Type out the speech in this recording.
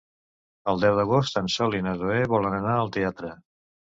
El deu d'agost en Sol i na Zoè volen anar al teatre.